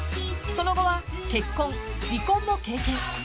［その後は結婚離婚も経験］